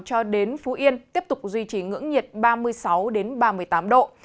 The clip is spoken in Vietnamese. cho đến phú yên tiếp tục duy trì ngưỡng nhiệt ba mươi sáu ba mươi tám độ